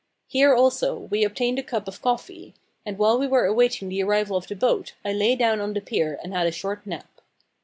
Here, also, we obtained a cup of coffee; and while we were awaiting the arrival of the boat I lay down on the pier and had a short nap.